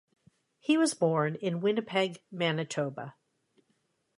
He was born in Winnipeg, Manitoba.